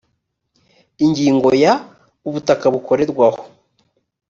ingingo ya ubutaka bukorerwaho